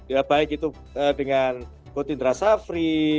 ya baik itu dengan coach indra safri